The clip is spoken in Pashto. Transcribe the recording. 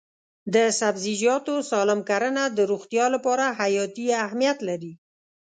د سبزیجاتو سالم کرنه د روغتیا لپاره حیاتي اهمیت لري.